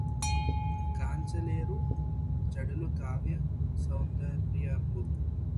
కాంచలేరు జడులు కావ్య సౌందర్యంబు